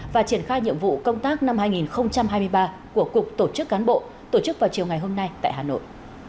và triển khai nhiệm vụ công tác năm hai nghìn hai mươi ba của cục tổ chức cán bộ tổ chức vào chiều ngày hôm nay tại hà nội